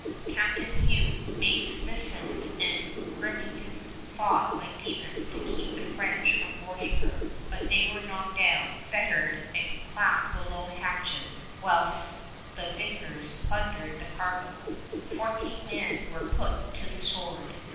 Captain Hume, Mates Smithsend and Grimmington fought like demons to keep the French from boarding her; but they were knocked down, fettered and clapped below hatches while the victors plundered the cargo. Fourteen men were put to the sword.